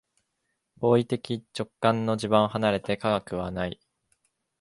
行為的直観の地盤を離れて科学はない。